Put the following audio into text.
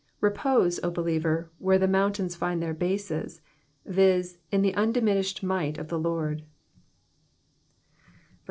Repose, O believer, where the moimtains find their bases — viz., in the undiminished miffht of the Lord God.